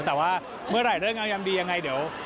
เพราะว่าเมื่อไหร่เรื่องยามยังไงเดี๋ยว